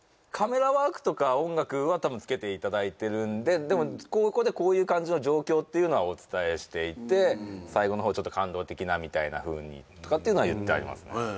カメラワークとか音楽は多分つけていただいてるんででもここでこういう感じの状況っていうのはお伝えしていて最後の方ちょっと感動的なみたいなふうにとかっていうのは言ってありますね